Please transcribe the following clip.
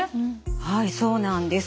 はいそうなんです。